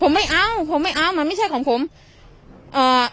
ผมไม่เอาผมไม่เอามันไม่ใช่ของผมเอ่อ